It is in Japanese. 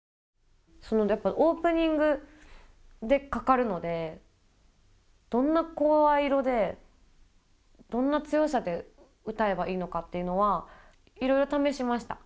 やっぱオープニングでかかるのでどんな声色でどんな強さで歌えばいいのかっていうのはいろいろ試しました。